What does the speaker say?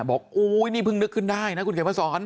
บอกโอ้ยนี่เพิ่งนึกขึ้นได้นะคุณแข่งพระสอน